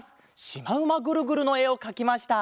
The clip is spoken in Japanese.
『しまうまグルグル』のえをかきました。